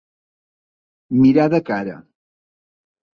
Mirar de cara.